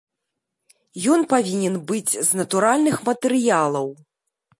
Ён павінен быць з натуральных матэрыялаў.